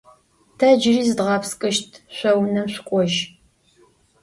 Тэ джыри зыдгъэпскӏыщт, шъо унэм шъукӏожь.